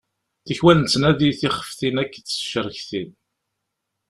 Tikwal nettandi tifextin akked ticeṛktin.